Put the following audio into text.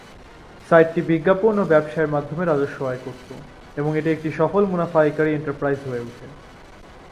সাইটটি বিজ্ঞাপন ও ব্যবসায়ের মাধ্যমে রাজস্ব আয় করতো, এবং এটি একটি সফল মুনাফা আয়কারী এন্টারপ্রাইজ হয়ে ওঠে।